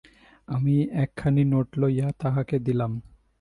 আমি একখানি নোট লইয়া তাহাকে দিলাম।